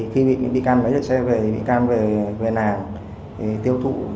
khi bị can bán xe về thì bị can về nàng tiêu thụ